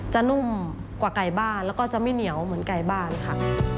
นุ่มกว่าไก่บ้านแล้วก็จะไม่เหนียวเหมือนไก่บ้านค่ะ